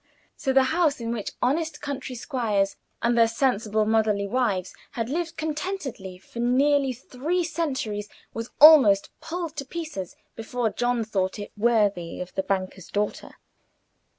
So the house is which honest country squires and their sensible motherly wives had lived contentedly for nearly three centuries was almost pulled to pieces before John thought it worthy of the banker's daughter.